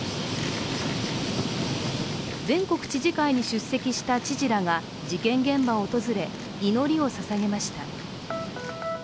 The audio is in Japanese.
全国知事会に出席した知事らが事件現場を訪れ祈りを捧げました。